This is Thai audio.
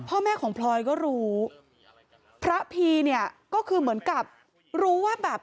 พ่อแม่ของพลอยก็รู้พระพีเนี่ยก็คือเหมือนกับรู้ว่าแบบ